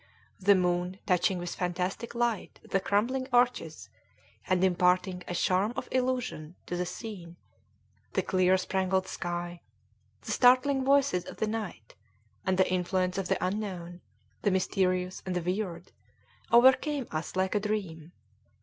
The moon, touching with fantastic light the crumbling arches and imparting a charm of illusion to the scene, the clear spangled sky, the startling voices of the night, and the influence of the unknown, the mysterious, and the weird, overcame us like a dream.